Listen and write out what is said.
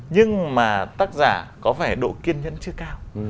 nhưng mà tác giả có vẻ độ kiên nhẫn chưa cao